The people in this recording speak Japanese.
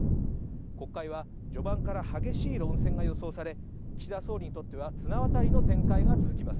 国会は序盤から激しい論戦が予想され、岸田総理にとっては綱渡りの展開が続きます。